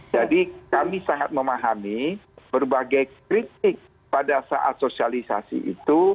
jadi kami sangat memahami berbagai kritik pada saat sosialisasi itu